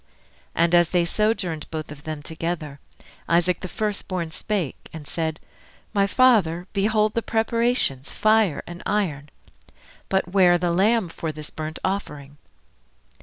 And as they sojourned both of them together, Isaac the first born spake and said, My Father, Behold the preparations, fire and iron, But where the lamb for this burnt offering?